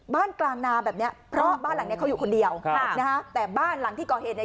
บ้านกลางนามแบบเนี่ยเพราะบ้านหลังนี้เขาอยู่คนเดียวแต่บ้านหลังที่ก่อเห็นเนี่ย